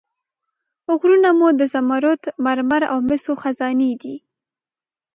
غرونه مو د زمرد، مرمر او مسو خزانې دي.